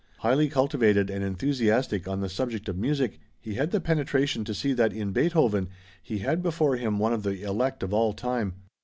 Highly cultivated and enthusiastic on the subject of music, he had the penetration to see that in Beethoven he had before him one of the elect of all time.